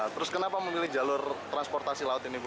terus kenapa memilih jalur transportasi laut ini bu